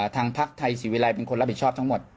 ทางพักไทยสิวิไรเป็นคนรับผิดชอบทั้งหมด